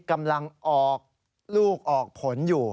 กำลังออกลูกออกผลอยู่